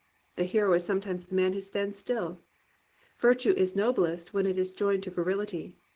The hero is sometimes the man who stands still. Virtue is noblest when it is joined to virihty.